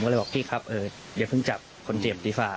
ก็เลยบอกพี่ครับอย่าเพิ่งจับคนเจ็บดีกว่า